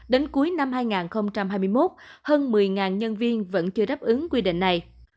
đến cuối năm hai nghìn hai mươi một hơn một mươi nhân viên vẫn chưa đáp ứng quy định này